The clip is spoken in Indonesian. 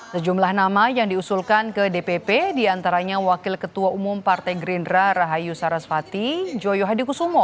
sejumlah nama yang diusulkan ke dpp diantaranya wakil ketua umum partai gerindra rahayu sarasvati joyo hadi kusumo